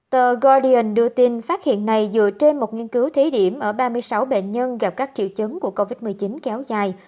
tờ goldian đưa tin phát hiện này dựa trên một nghiên cứu thí điểm ở ba mươi sáu bệnh nhân gặp các triệu chứng của covid một mươi chín kéo dài